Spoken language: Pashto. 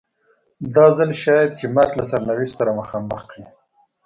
دا ځل شاید چې مرګ له سرنوشت سره مخامخ کړي.